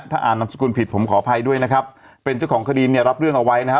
ถ้าอ่านนามสกุลผิดผมขออภัยด้วยนะครับเป็นเจ้าของคดีเนี่ยรับเรื่องเอาไว้นะฮะ